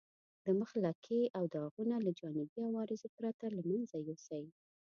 د مخ لکې او داغونه له جانبي عوارضو پرته له منځه یوسئ.